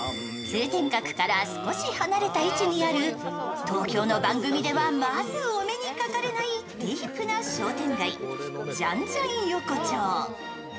通天閣から少し離れた位置にある東京の番組ではまずお目にかかれないディープな商店街ジャンジャン横丁。